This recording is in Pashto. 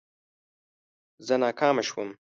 زه ناکامه شوم